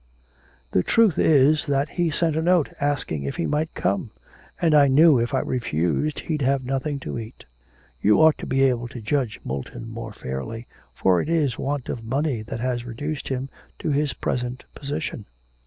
'The truth is that he sent a note asking if he might come, and I knew if I refused he'd have nothing to eat.... You ought to be able to judge Moulton more fairly, for it is want of money that has reduced him to his present position.